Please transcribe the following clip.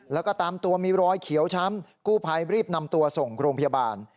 แล้วก็ตามตัวมีรอยเขียวช้ำกู้ภัยรีบนำตัวส่งโรงพยาบาล